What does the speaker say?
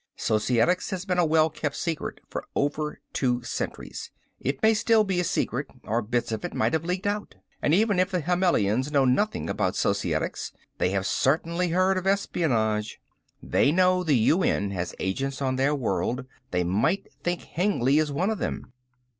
"Societics has been a well kept secret for over two centuries. It may still be a secret or bits of it might have leaked out. And even if the Himmelians know nothing about Societics, they have certainly heard of espionage. They know the UN has agents on their world, they might think Hengly is one of them.